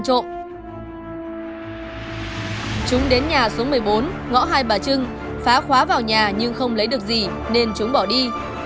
chúng đến nhà số một mươi bốn ngõ hai bà trưng phá khóa vào nhà nhưng không lấy được gì nên chúng bỏ đi